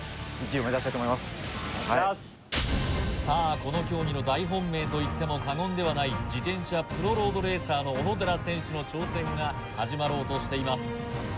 この競技の大本命といっても過言ではない自転車プロロードレーサーの小野寺選手の挑戦が始まろうとしています